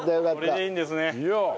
これでいいんですね。